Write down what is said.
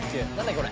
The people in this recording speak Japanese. これ。